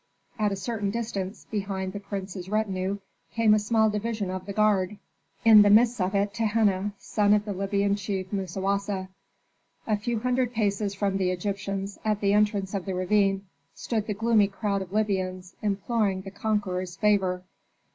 At a certain distance behind the prince's retinue came a small division of the guard, in the midst of it Tehenna, son of the Libyan chief Musawasa. A few hundred paces from the Egyptians, at the entrance of the ravine, stood the gloomy crowd of Libyans imploring the conqueror's favor.